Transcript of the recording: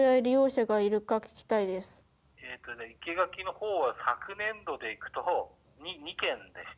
生け垣の方は昨年度でいくと２件でした。